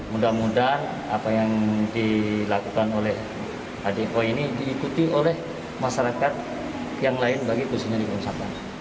masyarakat yang lain bagi keusahanya di kawasan